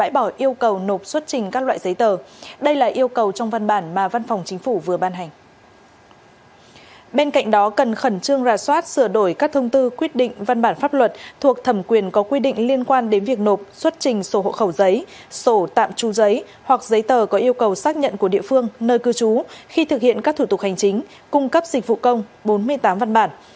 bên cạnh đó cần khẩn trương ra soát sửa đổi các thông tư quyết định văn bản pháp luật thuộc thẩm quyền có quy định liên quan đến việc nộp xuất trình sổ hộ khẩu giấy sổ tạm tru giấy hoặc giấy tờ có yêu cầu xác nhận của địa phương nơi cư trú khi thực hiện các thủ tục hành chính cung cấp dịch vụ công bốn mươi tám văn bản